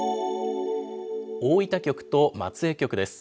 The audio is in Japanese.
大分局と松江局です。